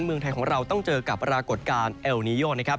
เมืองไทยของเราต้องเจอกับปรากฏการณ์เอลนีโยนะครับ